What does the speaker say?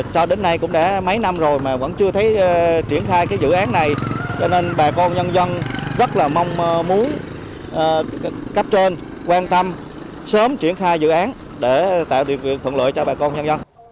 cho đến nay cũng đã mấy năm rồi mà vẫn chưa thấy triển khai cái dự án này cho nên bà con nhân dân rất là mong muốn cấp trên quan tâm sớm triển khai dự án để tạo điều kiện thuận lợi cho bà con nhân dân